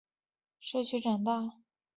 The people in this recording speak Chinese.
他在一个白人社区里长大。